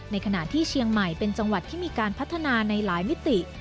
ในขณะที่เชียงใหม่เป็นจังหวัดที่มีการพัฒนาในหลายมิติ